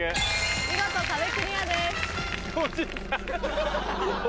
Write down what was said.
見事壁クリアです。